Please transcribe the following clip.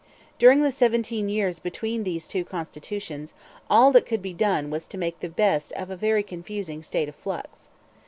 During the seventeen years between these two constitutions all that could be done was to make the best of a very confusing state of flux.